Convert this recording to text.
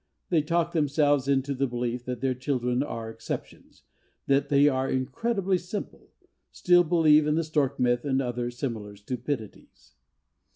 They talk themselves into the belief that their children are exceptions, that they are incredibly simple, still believe in the stork myth and other similar stupidities.